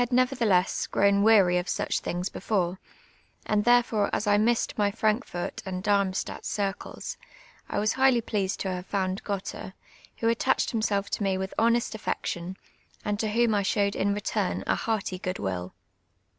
nevertheless, f^rown weary of such thinp;s before, and tiun fore us I missed my Frankf«)rt and Darmstadt circles, I was hi;;ldy j)leased to have found Gottrr, Avho attachfd himself to me witli honest affection, and td whom I showed in return a hearty ^ood will.